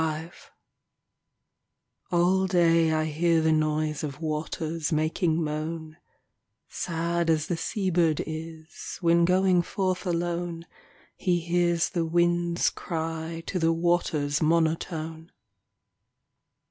XXXV All day I hear the noise of waters Making moan, Sad as the sea bird is, when going Forth alone, He hears the winds cry to the waters' Monotone.